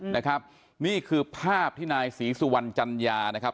นะครับนี่คือภาพที่นายศรีสุวรรณจัญญานะครับ